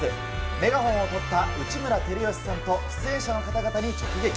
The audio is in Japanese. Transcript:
メガホンを取った内村光良さんと出演者の方々に直撃。